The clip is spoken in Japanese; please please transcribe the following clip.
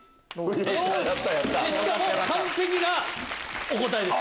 しかも完璧なお答えです。